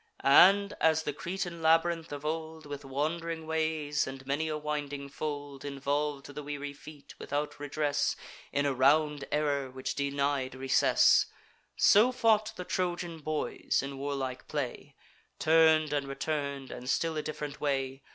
And, as the Cretan labyrinth of old, With wand'ring ways and many a winding fold, Involv'd the weary feet, without redress, In a round error, which denied recess; So fought the Trojan boys in warlike play, Turn'd and return'd, and still a diff'rent way.